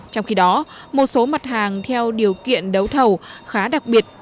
trong khi đó một số mặt hàng theo điều kiện đấu thầu khá đặc biệt